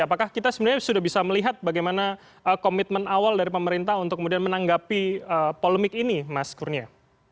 apakah kita sebenarnya sudah bisa melihat bagaimana komitmen awal dari pemerintah untuk kemudian menanggapi polemik ini mas kurnia